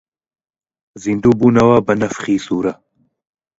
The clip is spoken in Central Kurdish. زیندوو بوونەوە بە نەفخی سوورە